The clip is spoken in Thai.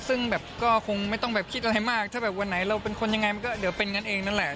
ซึ่งแบบก็คงไม่ต้องแบบคิดอะไรมากถ้าแบบวันไหนเราเป็นคนยังไงมันก็เดี๋ยวเป็นกันเองนั่นแหละ